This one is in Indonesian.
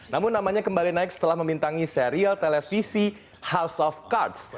namun namanya kembali naik setelah membintangi serial televisi house of cards